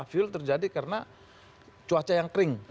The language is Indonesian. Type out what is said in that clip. fuel terjadi karena cuaca yang kering